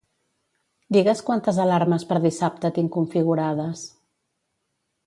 Digues quantes alarmes per dissabte tinc configurades.